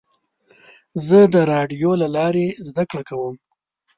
زه د راډیو له لارې زده کړه کوم.